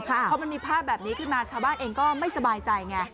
พอมันมีภาพแบบนี้ขึ้นมาชาวบ้านเองก็ไม่สบายใจไง